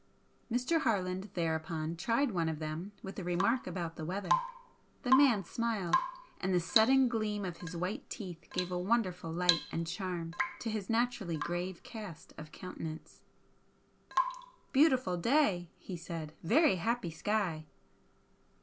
Mr. Harland thereupon tried one of them with a remark about the weather. The man smiled and the sudden gleam of his white teeth gave a wonderful light and charm to his naturally grave cast of countenance. "Beautiful day!" he said, "Very happy sky!"